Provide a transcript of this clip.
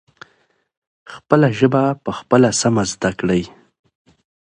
خپله ژبه پخپله سمه زدکړئ.